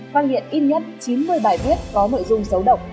phát hiện ít nhất chín mươi bài viết có mọi dung xấu động